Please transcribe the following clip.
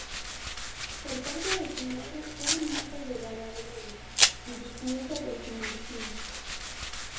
Por parte de su madre, era nieta de Galadriel y bisnieta de Finarfin.